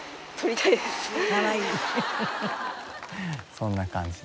そんな感じで。